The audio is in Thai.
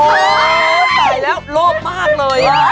โอ้ใส่แล้วหลวบมากเลย